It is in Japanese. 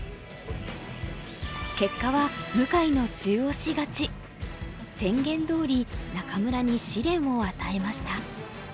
結果は宣言どおり仲邑に試練を与えました。